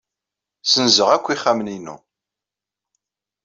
Ssenzeɣ akk ixxamen-inu.